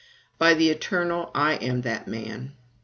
By the Eternal! I am that man.